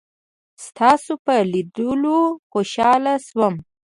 ستاسو په لیدلو خوشحاله شوم.